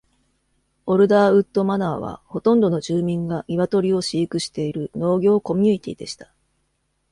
オルダーウッド・マナーは、ほとんどの住民が鶏を飼育している農業コミュニティでした。